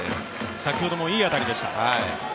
先ほどもいい当たりでした。